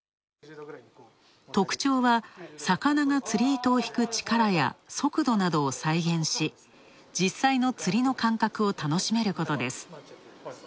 特徴は魚が釣り糸を引く力や速度などを再現し、実際のつりの感覚を楽しめることです。